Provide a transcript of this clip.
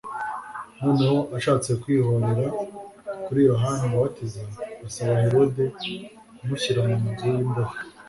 noneho ashatse kwihorera kuri Yohana umubatiza asaba Herode kumushyira mu nzu y'imbohe'.